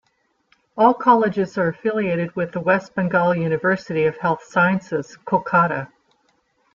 All colleges are affiliated with the West Bengal University of Health Sciences, Kolkata.